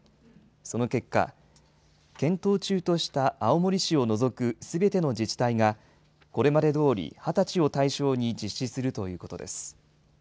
その結果、検討中とした青森市を除くすべての自治体が、これまでどおり２０歳を対象に実施するということです。